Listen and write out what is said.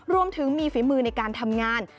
รวมถึงมีฝีมือในการทำงาน